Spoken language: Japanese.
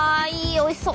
おいしそう！